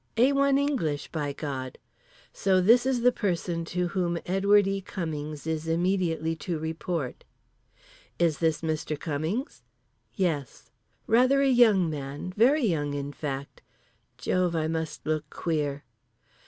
A1 English by God. So this is the person to whom Edward E. Cummings is immediately to report. "Is this Mr. Cummings?" "Yes." Rather a young man, very young in fact. Jove I must look queer.